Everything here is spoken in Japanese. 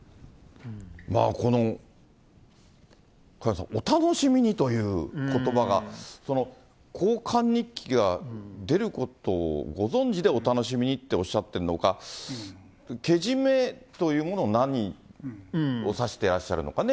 まあ、この、萱野さん、お楽しみにということばが、交換日記が出ることをご存じで、お楽しみにっておっしゃってるのか、けじめというものを何を指してらっしゃるのかね。